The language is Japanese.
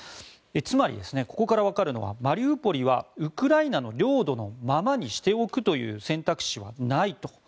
つまり、ここからわかるのはマリウポリはウクライナの領土のままにしておくという選択肢はないと。